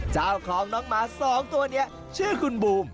เจ้าของน้องหมา๒ตัวนี้ชื่อคุณบูม